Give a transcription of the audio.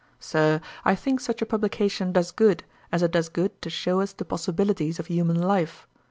Sir, I think such a publication does good, as it does good to show us the possibilities of human life.